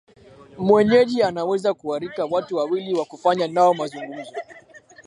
mwenyeji anaweza kuarika watu wawili wa kufanya nao mazungumzo